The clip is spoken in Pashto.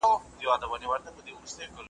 په مطبوعاتو کي رپوټونه `